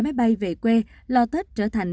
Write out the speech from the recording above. máy bay về quê lo tết trở thành